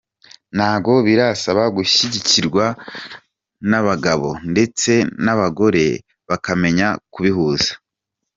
Ngo birasaba gushyigikirwa n’abagabo ndetse n’abagore bakamenya kubihuza.